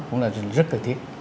cũng là rất là thiết